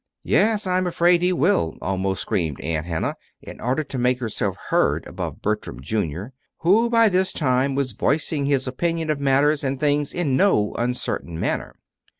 "Yes, I'm afraid he will," almost screamed Aunt Hannah, in order to make herself heard above Bertram, Jr., who, by this time, was voicing his opinion of matters and things in no uncertain manner.